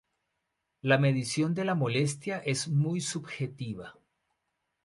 La medición de la molestia es muy subjetiva.